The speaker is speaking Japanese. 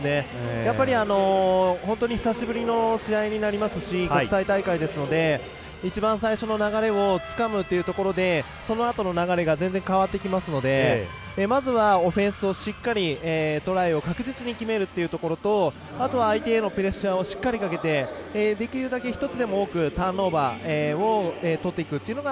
やっぱり、本当に久しぶりの試合になりますし国際大会なので一番最初の流れをつかむというところでそのあとの流れが全然変わってきますのでまずは、オフェンスをしっかりトライを確実に決めるということあとは相手へのプレッシャーをしっかりかけて、できるだけ１つでも多くターンオーバーをとっていく。